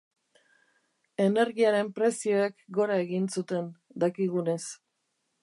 Energiaren prezioek gora egin zuten, dakigunez.